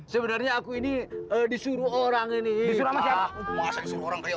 sebenarnya aku ini disuruh orang ini